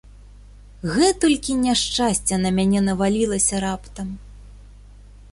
Гэтулькі няшчасця на мяне навалілася раптам!